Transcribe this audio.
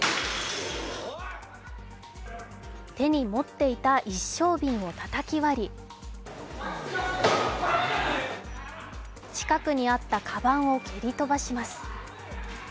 手に持っていた一升瓶をたたき割り近くにあったかばんを蹴り飛ばします。